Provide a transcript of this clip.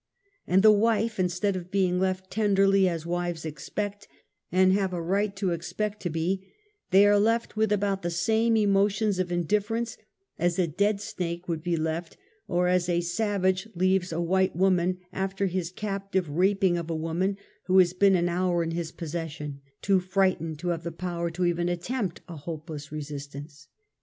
And the wife instead of being left ten derly as wives expect and have a right to expect to be, they are left with about the same emotions of in difierence as a dead snake would be left, or as a sav age leaves a white woman after his captive raping of a woman who has been an hour in his possession, too frightened to have the power to even attempt a hopeless resistance.